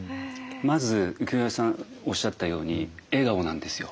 まず浮世さんおっしゃったように笑顔なんですよ。